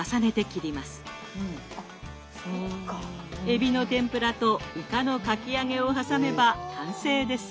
えびの天ぷらとイカのかき揚げを挟めば完成です。